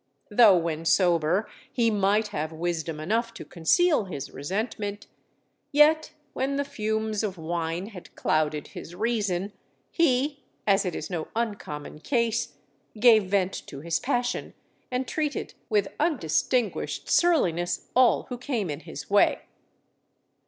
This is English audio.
Though, when sober, he might have wisdom enough to conceal his resentment, yet when the fumes of wine had clouded his reason, he (as it is no uncommon case) gave vent to his passion, and treated with undistinguished surliness all who came in his way.